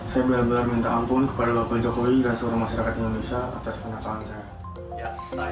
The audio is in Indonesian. saya benar benar minta ampun kepada bapak jokowi dan seluruh masyarakat indonesia atas penakalan saya